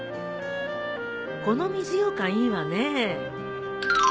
この水ようかんいいわね。